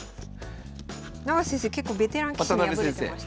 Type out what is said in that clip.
結構ベテラン棋士に敗れてました。